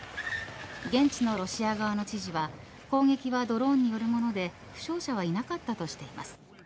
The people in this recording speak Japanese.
現地のロシア側の知事は攻撃はドローンによるもので負傷者はいなかったとしています。